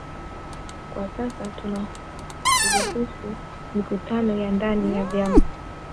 Kwa sasa tunaruhusu mikutano ya ndani ya vyama